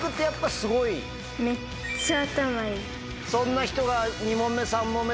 そんな人が。